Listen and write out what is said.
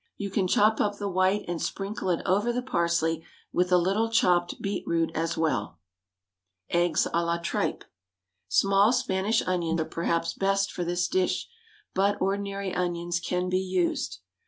You can chop up the white and sprinkle it over the parsley with a little chopped beet root as well. EGGS A LA TRIPE. Small Spanish onions are perhaps best for this dish, but ordinary onions can be used.